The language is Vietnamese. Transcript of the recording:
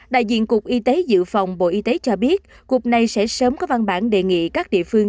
đại diện cục y tế dự phòng bộ y tế cho biết cục này sẽ sớm có văn bản đề nghị các địa phương